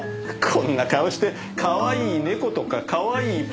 こんな顔してかわいい猫とかかわいいパンダとか。